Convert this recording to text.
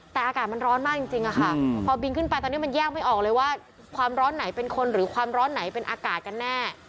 แต่อากาศมันร้อนมากจริงค่ะพอบินขึ้นไปตอนนี้มันแยกไม่ออกเลยว่าความร้อนไหนเป็นคนหรือความร้อนไหนเป็นอากาศกันแน่